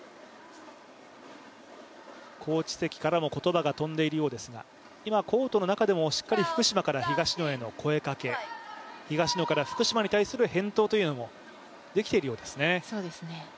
コーチ席からも言葉が飛んでいるようですがコートの中でもしっかり福島から東野への声かけ、東野から福島に対する返答というのもできているようですね。